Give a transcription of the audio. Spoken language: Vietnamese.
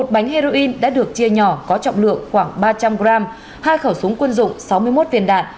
một bánh heroin đã được chia nhỏ có trọng lượng khoảng ba trăm linh g hai khẩu súng quân dụng sáu mươi một viên đạn